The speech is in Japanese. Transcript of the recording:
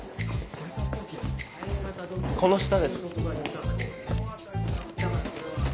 この下です。